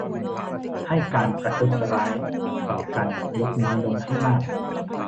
ให้การประทุษฐร้ายต่อกันลดน้อยลงให้มาก